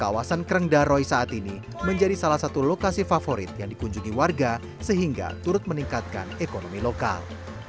kawasan kreng daroy saat ini menjadi salah satu lokasi favorit yang dikunjungi warga sehingga turut meningkatkan ekonomi lokal